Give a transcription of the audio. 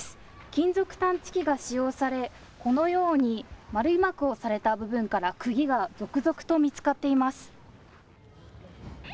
金属探知機が使用されこのように丸いマークをされた部分からくぎが続々と見つかっています。